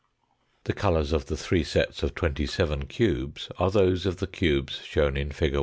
The colours of the three sets of twenty seven cubes are those of the cubes shown in fig.